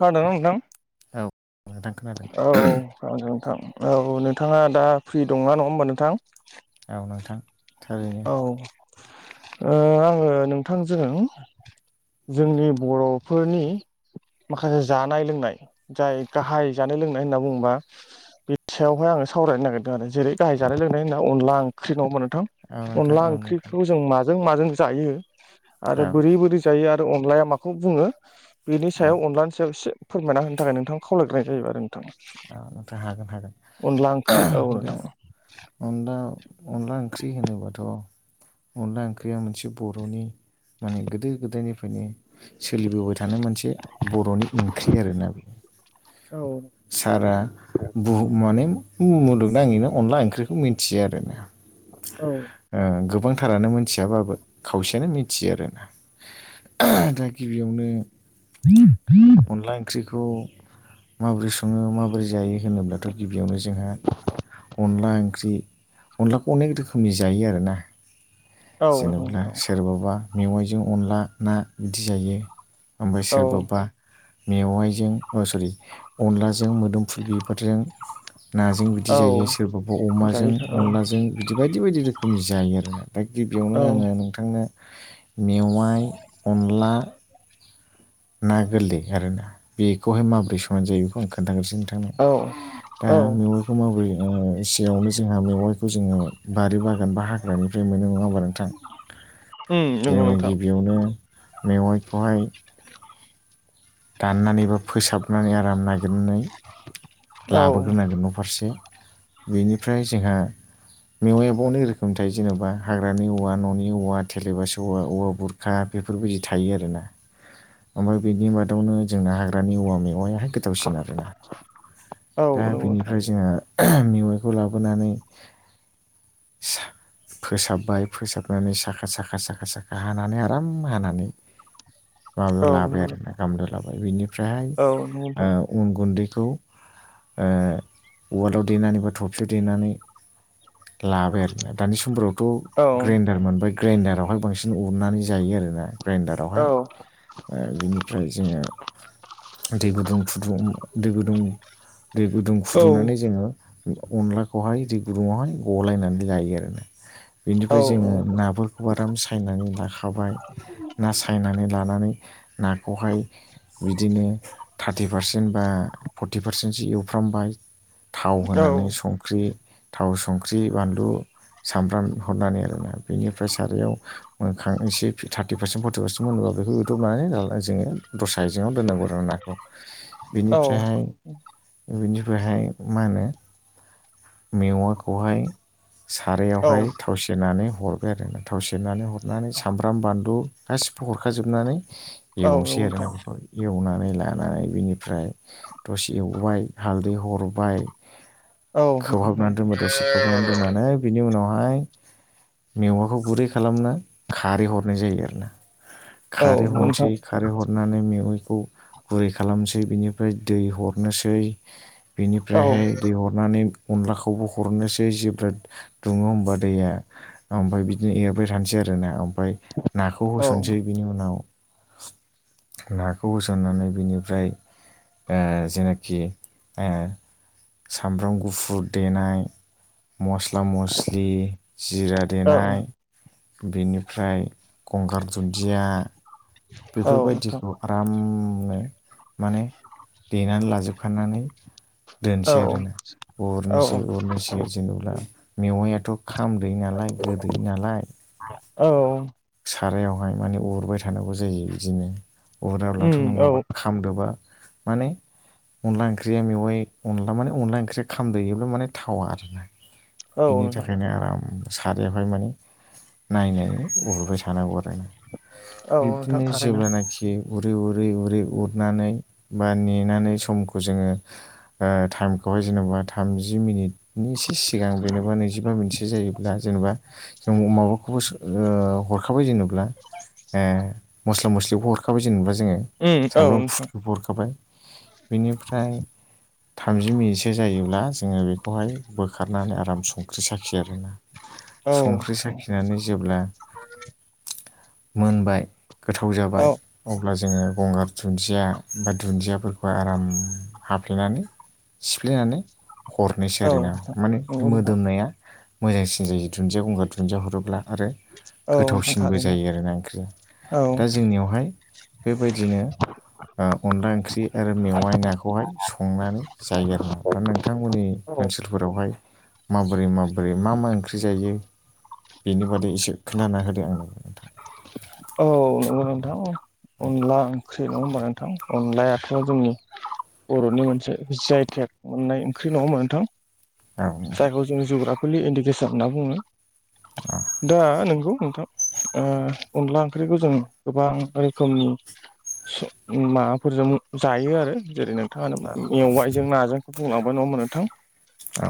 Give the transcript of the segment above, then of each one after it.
खोनादों ना नोंथां। औ नोंथां खोनादों। औ नोंथां औ नोंथाङा दा फ्रि दङ ना होमबा नोंथां औ नोंथां। थारैनो औ ओ आङो नोंथांजों जोंनि बर'फोरनि माखासे जानाय-लोंनाय जाय गाहाय जानाय-लोंनाय होनना बुङोबा बे सायावहाय आङो सावरायनो नागिरदों आरो जेरै गाहाय जानाय-लोंनायनि होनना अनला ओंख्रि, नङा होमबा नोंथां? औ नोंथां अनला औ नोंथां ओंख्रिखौ जों माजों-माजों जायो आरो औ बोरै-बोरै जायो आरो अनलाया माखौ बुङो बेनि औ सायाव अनलानि सायाव इसे फोरमायना होनो थाखाय नोंथांखौ खावालायनाय जाहैबाय आरो थां औ नोंथां हागोन हागोन औ दा नोंथां अनला अनला ओंख्रि होनोबाथ' अनला ओंख्रिया मोनसे बर'नि माने गोदो गोदायनिफ्रायनो सोलिबोबाय थानाय मोनसे बर'नि ओंख्रि आरोना औ सारा बुहु माने मुलुग नाङैनो अनला ओंख्रिखौ मिन्थियो आरो ना औ ओ गोबांथारानो मोनथियाबाबो खावसेयानो मिथियो आरो ना दा गिबियावनो [unintelligible] अनला ओंख्रिखौ माबोरै सङो माबोरै जायो होनोब्लाथ' गिबियावनो जोङो अनला ओंख्रि अनलाखौ अनेक रोखोमनि जायो आरो ना औ जेनेब्ला नोंथां सोरबाबा मेवाइजों अनला ना बिदि जायो ओमफ्राय औ सोरबाबा मेवाइजों अ सरि अनलाजों मोदोमफुल बिबारजों नाजों औ बिदि जायो सोरबाबा अमाजों जायो औ अनलाजों बिदि बायदि-बायदि रोखोमनि जायो आरो ना। ओमफ्राय गिबियावनो औ आङो नोंथांनो मेवाइ अनला ना गोरलै आरोना बेखौहाय माबोरै संनानै जायो आं खोन्थाग्रोसै नोंथांनो औ दा औ मेवाय खौ माबोरै ओ सेयावनो जोंहा मेवाइखौ जोङो बारि बागान बा हाग्रानिफ्राय मोनो नङा होमबा नों थां उम नंगौ जोङो नोंथां गिबियावनो मेवाइखौहाय दाननानै बा फोसाबनानै आराम नागिरनानै औ लाबोग्रोनांगोन न'फारसे बेनिफ्राय जोंहा मेवाइयाबो अनेक रोखोम थायो जेनेबा हाग्रानि औवा न'नि औवा थेलेबासो औवा औवा बुर फ्रा बेफोरबायदि थायो आरोना। ओमफ्राय बिनि मादावनो जोंना हाग्रानि औवा मेवायाहाय गोथावसिन आरो ना औ दा नंगौ नोंथां बेनिफ्राय जोङो मेवाइखौ लाबोनानै फोसाबबाय फोसाबनानै साखा साखा साखा साखा हानानै आराम हानानै माबायाव औ लाबाय नंगौ आरोना नोंथां गामलायाव लाबाय बिनिफ्रायहाय औ नंगौ नोंथां ओ उन गुन्दैखौ ओ उवालाव देनानै बा थफसियाव देनानै लाबाय आरोना दानि औ समफोरावथ' ग्रेइन्डार मोनबाय। ग्रेइन्दारावहाय बांसिन उरनानै जायो आरो ना। औ ग्रेन्डारावहाय ओ बिनिफ्राय जोङो दै गुदुं फुदुं दै गुदुं दै गुदुं फुदुंनानै जोङो अनलाखौहाय दै गुदुंङावहाय गलायनानै लायो आरोना। औ बेनिफ्राय जोङो नाफोर खौ आराम सायनानै लाखाबाय ना सायनानै लानानै नाखौहाय बिदिनो थार्टि पारसेन्ट बा फर्टि पारसेन्टसो एवफ्रामबाय थाव होनानै संख्रि थाव संख्रि बानलु सामब्राम हरनानै आरोना बेनिफ्राय सारायाव मोनखां एसे थार्टि पार्सेन्ट फर्टि पार्सेन्ट मोनोबा बेखौ इउथबनानै जोङो दस्रा आइजेङाव दोननांगौ आरो नाखौ औ बिनिफ्रायहाय बिनिफ्रायहाय मा होनो मेवाखौहाय औ सारायावहाय थाव सेरनानै हरबाय आरो थाव सेरनानै हरनानै सामब्राम बानलु गासिबो हरखाजोबनानै औ नंगौ एवनोसै आरोना नोंथां बेखौ एवनानै लानानै बेनिफ्राय दसे एवबाय हालदै हरबाय औ नोंथां औ खोबहाबनानै दोनो दसे खोबहाबनानै दोननानै बिनि उनावहाय मेवाखौ गुरै खालामनो खारै हरनाय जायो आरो ना। खारै नोंथां हरसै खारै हरनानै मेवाइखौ गुरै खालामसै बिनिफ्राय दै हरनोसै बेनिफ्रायहाय औ दै हरनानै अनलाखौबो हरनोसै जेब्राद दुङो होमबा दैया ओमफ्राय बिदिनो एरबाय थानोसै आरोना ओमफ्राय नाखौ औ होसनसै बिनि उनाव नाखौ होसननानै बिनिफ्राय ओ जेनाखि ओ सामब्राम गुफुर देनाय। मस्ला मस्लि जिरा औ देनाय बेनिफ्राय गंगार दुन्दिया औ बेफोरबायदिखौ नोंथां आरामनो माने देनानै लाजोबखनानै औ दोनसै आरोना औ अरनोसै अरनोसै जेनबा मेववाइआथ' खामदै नालाय गोदै नालाय। औ सारायावहाय माने उरबाय थानांगौ जायो बिदिनो उराब्लाथ' उम औ नङाबा खामदोबा माने अनला ओंख्रिया मेवाइ अनला माने अनला ओंख्रिया खामदोयोब्ला माने थावा आरो ना। औ बिनि नोंथां थाखायनो आराम सारियावहाय माने नायनायनि अ सानांगौ आरो ना औ नोंथां बिब्दिनो थारैनो जेब्लानाखि उरै उरै उरै उरनानै बा नेनानै समखौ जोङो ओ टाइमखौहाय जेन'बा थामजि मिनिट बिनि एसे सिगां जेनेबा नैजिबा मिनिटसो जायोब्ला जेन'बा जों माबाखौबो ओ हर खाबाय जेनोब्ला मस्ला मस्लिखौ हरखाबाय जेनेब्ला जोङो। उम औ सामब्राम नोंथां गुफुुरखौबो हरखाबाय। बेनिफ्राय थामजि मिनिटसो जायोब्ला जोङो बे खौहाय बोखारनानै आराम संख्रि साखियो आरोना औ संख्रि नोंथां साखिनानै जेब्ला मोनबाय गोथाव औ जाबाय। अब्ला जोङो गंगर दुनजिया बा दुनजियाफोरखौ आराम हाफ्लेनानै सिफ्लेनानै हरनोसै आरो ना नोंथां माने नंगौ नोंथां मोदोमनाया मोजांसिन जायो दुन्दिया गंगार दुनजिया हरोब्ला आरो [unintelligible] गोथावसिनबो थारैनो जायो आरोना ओंख्रिया औ दा जोंनियावहाय बेबायदिनो बा अनला ओंख्रि आरो मेववाइ नाखौहाय संनानै जायो आरो ना दा नोंथांमोननि ओनसोलफोरावहाय माबोरै माबोरै मा मा ओंख्रि जायो बिनि बारै एसे दाना होदो आरो औ नोंगौ नोंथां अनला ओंख्रि नङा होबा थां अनलायाथ जोंनि बर'नि मोनसे जि आइ तेख मोननाय ओंख्रि नङा ओमबा नोंथां। औ नोंथां जायखौ जोङो जग्राफिलि इन्डुकेसन होनना बुङो दा नोंगौ नोंथां ओ अनला ओंख्रिखौ जों गोबां रोखोमनि माबाफोरजों जायो आरो जेरैनो नोंथाङानो मेवाइजों नाजोंखौ बुंलांबाय न' मोनोथां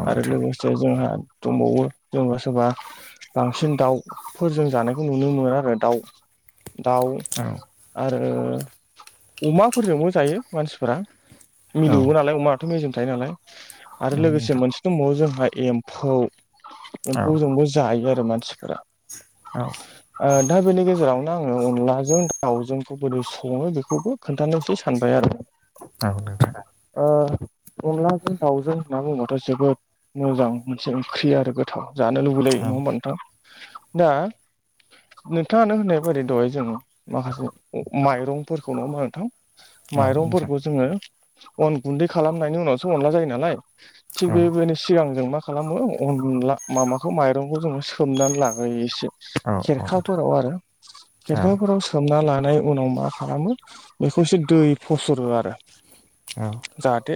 औ आरो नोंथां लोगोसे जोंहा दंबावो जोंबा सोरबा बांसिन दाउफोरजों जानायखौ नुनो मोनो आरो दाउ दाउ औ आरो अमाफोरजोंबो जायो मानसिफोरा मिलौओ नालाय अमा थ' मेजेम थायो नालाय औ आरो लोगोसे नोंथां मोनसे दंबावो जोंहा एम्फौ। औ एम्फौजोंबो जायो आरो मानसिफोरा। औ ओ दा बेनि गेजेरावनो आङो अनलाजों दावजोंखौ बोरै सङो बेखौबो खोन्थानोसै सानबाय आरो औ नोंथां ओ अनलाजों दाउजों होनना बुङोबाथाय जोबोद मोजां मोनसे ओंख्रि आरो गोथाव जानो औ लुबैलायो नङबा नोंथां दा। नोंथाङानो होननाय बोरै दहाय जों माखासे ओ माइरंफोरखौ नङा होमा नोंथां। औ नोंथां माइरंफोरखौ जोङो अन गुन्दै खालामनायनि उनावसो अनला जायो नालाय। औ थिग बेबायनो। सिगां जों मा खालामो अनला माबाखौ माइरंखौ जोङो सोमनानै लाग्रयो एसे औ औ नोंथां फोराव आरो औ खेरखाफोराव सोमना लानाय उनाव मा खालामो बेखौसो दै फसरो आरो औ जाहाथे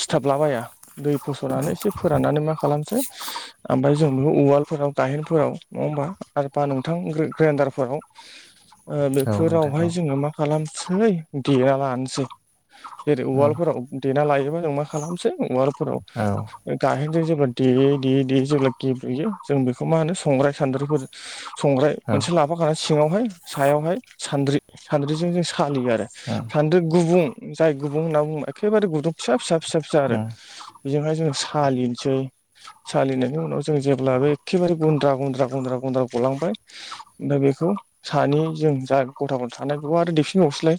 सिथाबलाबाया दै फस'नानै एसे फोराननानै मा खालामसै। ओमफाय जों बे उवालफोराव गायेनफोराव नङा होमबा आरबा नोंथां। ग्रे ग्रेन्दारफोराव ओ औ नोंथां बेफोरावहाय जोङो मा। खालामसै देना लानोसै जेरै औ उवालफोराव। देना लायोबा जों मा खालामसै उवालफोराव औ गाहेनजों जेब्ला देयै देयै देयै जेब्ला गेब्लेयो जों बेखौ मा होनो संग्राय सान्द्र्रिफोरजों संग्राय मोनसे लाफाखानाय सिङावहाय सायावहाय सानद्रि सान्द्रिजों जों सालियो आरो उम सान्दो गुबुं जाय गुबुं होनना बुङो एखेबारे गुदुं फिसा फिसा फिसा फिसा आरो बेजोंहाय जों सालिनोसै सा सालिनायनि उनाव जों जेब्लाबो एखेबारे गुन्द्रा गुन्द्रा गुन्द्रा गन्द्रा गलांबाय। उम दा बेखौ सानि जों जा गथा गथा थानायखौ आरो देफिनबावसैलाय।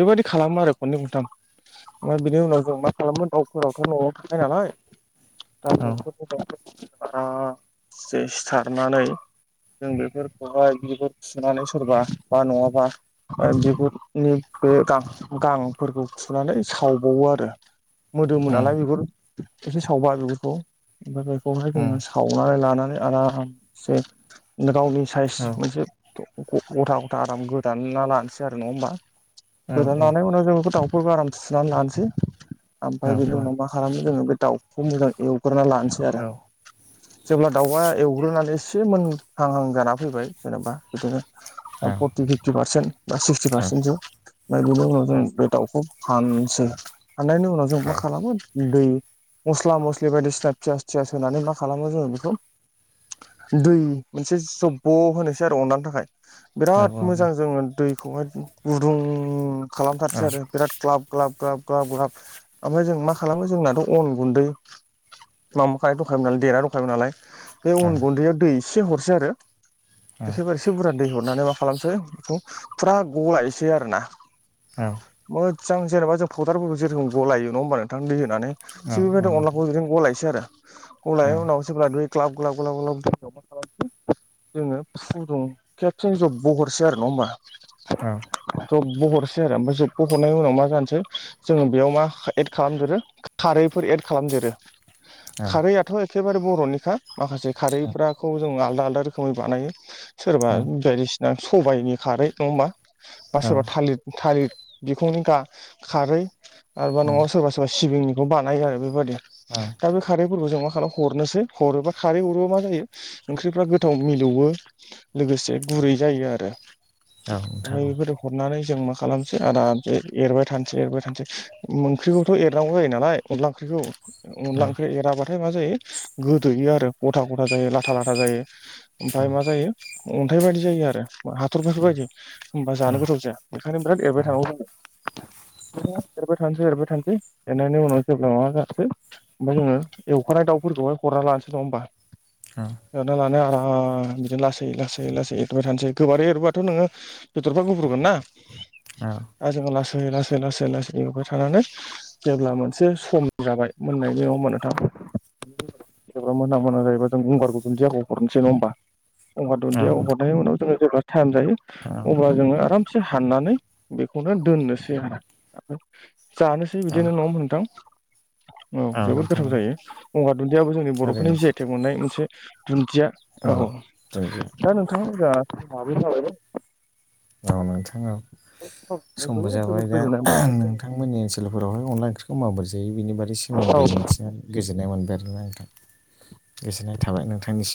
बेबायदि खालामो आरो खननै खनथाम ओमफाय बिनि उनाव जों मा खालामो दाउफोरावथ' न'आव थाख नालाय। दाव नखरनिफ्राय [unintelligible] सिथारनानै जों बे बेफोरखौहाय बि [unintelligible] सुनानै सोरबा बा नङाबा आरो [unintelligible] गांफोरखौ फुनानै सावबावो आरो मोदोमोन औ नालाय बिगुर एसे सावबा बिगुरखौ ओमफ्राय बेखौहाय औ उम जोङो सा खावनानै लानानै आरामसे नो गावनि साइस उम मोनसे ग ग गथा गथा आराम गोदाना लानोसै आरो नङा होमबा औ उम उम औ गोदानायनानै उनाव जोङो बे दाव बेफोरखौ आराम सुनानै लानोसै ओमफ्राय औ बे उनावामा खालामो जोङो बे दाउखौ मोजां एवग्रोनना लानोसै आरो जेब्ला दाउबआ एवग्रोनानै एसे मोनहांहां जाना फैबाय जेनेबा बिदिनो फरटि फिफ्टि पारसेन्ट बा सिक्सटि पारसेन्टसो ओमफ्राय बिनि उनाव जों बे दाउखौ हानसै हाननायनि उनाव जों मा खालामो दै मस्ला मस्लि बायदिसिना पियास थियास होनानै मा खालामो जोङो बेखौ दै मोनसे जब ब होनोसै आरो अननानै थाखाय बिराद मोजां जोङो दैखौहाय गुदुं खालामथारसै आरो बिराद ग्लाब ग्लाब ग्लाब ग्लाब ग्लाब ओमफ्राय जों मा खालामो जोंनाथ' अन गुन्दै माबाखायनाय दखायोमोन नालाय देना दंखायोमोन नालाय बे उन गुन्दैयाव दै एसे हरसै आरो एखेबारेसे बुरजा दै हरनानै मा खालामसै बेखौ फुरा गलायसै आरो ना औ मोजां जेनेवबा जों फावदारफोरखौ जेरै गलायो नङा होमबा नोंथां दै होनानै थिग औ औ बेबायदों नोंथां अनलाखौ औ औ बिदिनो गलायसै आरो औ [unintelligible] उनाव जेब्ला दै ग्लाब ग्लाब ग्लाब ग्लाब जोङो फुदुं खेबसेनो जब बहरसै आरो नङा होम्बा औ जब ब हरसै आरो ओमफ्राय जब ब हरनायनि उनाव मा जानोसै जोङो बेयाव मा एद खालामदोरो खारैफोर एद खालामदेरो औ खारैआथ' एखेबारे बर'निखा माखासे औ खारैफ्राखौ जों आलदा आलदाो रोखोमै बानायो सोरबा औ बायदिसिना सबायाइनि खारै नङा हा बा सोरबा नोंथां औ थालिर थालिर बिखंनि खारै आरोबा न'आव औ सोरबा सोरबा सिबिंनिखौ बानायो आरो बेबायाददि दा बे खारै मा खालाम हनोै होबा खारै हरोबा ज ओंरा गोथाव मिलौ लोगोसे गुरै जायो आरो ओमफ्राय बेफोर हरनानै जों मा खालामसै आदा एरबाय थानोसै एरबाय थानोसै ओंख्रिखौथ' एरनांगौ जायो नालाय अनला ओंख्रिखौ अनदला ओंख्रि एराबाथाय मा जायो गोदोयो आरो गथा गथा जायो लाथा लाथा जायो ओमफ्राय मा जायो अन्थाइ बायदि जायो आरो हाथर बेफोरबायदि होनोमबा जानो गोथाव जाया बेखायनो बिराद एरबाय थानांगौ एरबाय थानोसै एरबाय थानोसै एरनायनि उनाव जेब्ला माबा जासै ओमफ्राय जोङो एवखानाय दाफोरखौहाय हरना लानोस नङा होनोमबा दा एरना लानो आराम बिदिनो लासै लासै लासै एरबाय थानोसै गोबारै एरबाथ' नोङो बिथरफ्रा गुफुरगोन ना औ दा जोङो लासै लासै लासै लासै बेवाय थानानै जेब्ला मोनसे सम जाबाय मोननायनिाव मोनोथां जेब मोना मोना जायोबा जों गंगारखौ दुन्दियाखौ हरनोसै नङ ह होनबा होनोमबा औ दुदिया नोंथां हरनायनि उनाव जोङो जेब्ला टाइम जायो औ अब्ला जोङो आराम हाननानै बेखौनो दोननोसै आरो जानोसै एसे औ बिदिनो न' मोनथां औ जोबोद नोंथां गोथाव औ जायो गगार दुन्दियाबो जोंनि बर'फोरनि थारैनो जिायथाइ सैथो मोननाय मोनसे दुन्दिया औ दा नोंथाङा माबै थाबाय औ नोंथांनाव समबो जोबोद जाबाय दा गोजोननाय नों बिथांमोननि ओनसोलफोरावहाय अनला ओंख्रिखौ माबोरैायो बेनिारादै मोनबाय सोमोन्दै औ मिथिनानै गोजोननाय मोनबाय आरोना नोंथां गोजोननाय थाबाय नोंथांनिसिम।